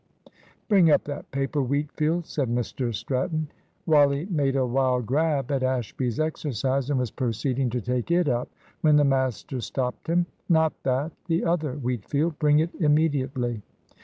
'" "Bring up that paper, Wheatfield," said Mr Stratton. Wally made a wild grab at Ashby's exercise, and was proceeding to take it up when the master stopped him. "Not that; the other, Wheatfield. Bring it immediately."